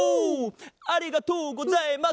ありがとうございます！